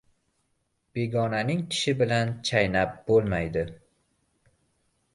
• Begonaning tishi bilan chaynab bo‘lmaydi.